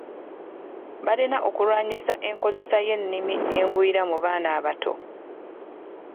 Balina okulwanyisa enkozesa y’ennimi engwira mu baana abato.